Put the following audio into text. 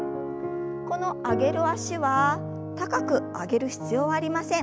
この上げる脚は高く上げる必要はありません。